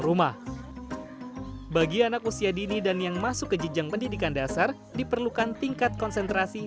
rumah bagi anak usia dini dan yang masuk ke jenjang pendidikan dasar diperlukan tingkat konsentrasi